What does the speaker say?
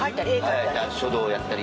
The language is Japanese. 書道やったり。